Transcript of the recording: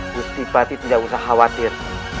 gusti pati tidak usah khawatir